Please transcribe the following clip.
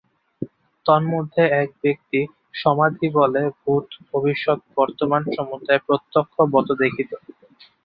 তন্মধ্যে এক ব্যক্তি সমাধিবলে ভূত ভবিষ্যৎ বর্তমান সমুদায় প্রত্যক্ষবৎ দেথিত।